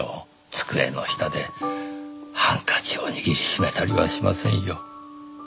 机の下でハンカチを握りしめたりはしませんよ。